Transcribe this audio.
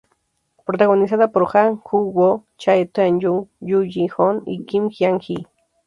Protagonizada por Ha Jung-woo, Cha Tae-hyun, Ju Ji-hoon y Kim Hyang-gi.